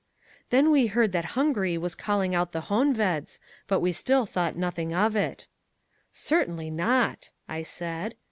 "Then we heard that Hungary was calling out the Honveds, but we still thought nothing of it." "Certainly not," I said.